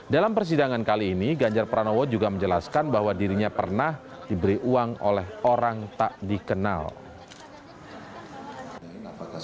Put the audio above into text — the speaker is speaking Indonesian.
dalam persidangan kali ini ganjar pranowo juga menjelaskan bahwa dirinya pernah diberi uang oleh orang tak dikenal